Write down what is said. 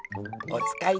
おつかい？